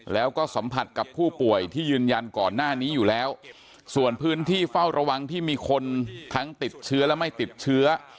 แล้วก็สัมผัสกับผู้ป่วยที่ยืนยันก่อนหน้านี้อยู่แล้วส่วนพื้นที่เฝ้าระวังที่มีคนทั้งติดเชื้อและไม่ติดเชื้อ